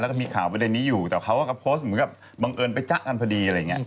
แล้วก็มีข่าวประเด็นนี้อยู่แต่เขาก็โพสต์เหมือนกับบังเอิญไปจ๊ะกันพอดีอะไรอย่างนี้